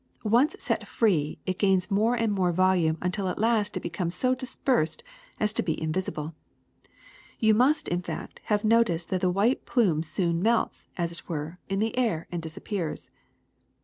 Once set free, it gains more and more volume until at last it becomes so dispersed as to be invisible. You must, in fact, have noticed that the white plume soon melts, as it were, in the air and disappears.